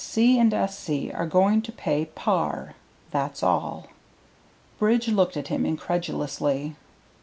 "C. & S.C. are going to pay par, that's all." Bridge looked at him incredulously.